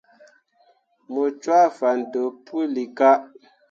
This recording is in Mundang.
Mu cwaa fan deb puilika.